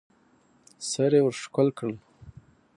سر يې ورښکل کړ.